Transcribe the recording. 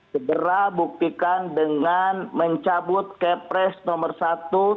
segera buktikan dengan mencabut kepres nomor satu